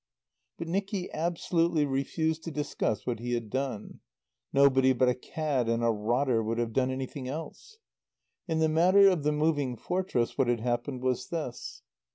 But Nicky absolutely refused to discuss what he had done. Nobody but a cad and a rotter would have done anything else. In the matter of the Moving Fortress what had happened was this.